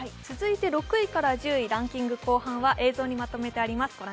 続いて６位から１０位、ランキング後半は映像にまとめてあります。